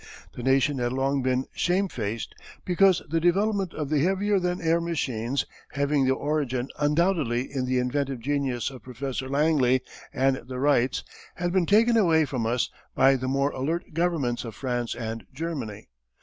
The nation had long been shamefaced because the development of the heavier than air machines, having their origin undoubtedly in the inventive genius of Professor Langley and the Wrights, had been taken away from us by the more alert governments of France and Germany.